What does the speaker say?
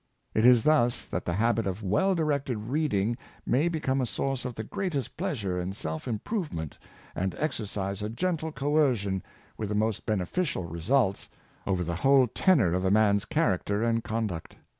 It is thus that the habit of well directed reading may become a source of the greatest pleasure and self improvement, and exercise a gentle coercion, with the most beneficial results, over the whole tenor of a man's character and conduct.